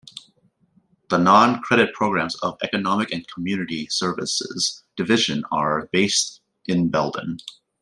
The non-credit programs of the Economic and Community Services Division are based in Belden.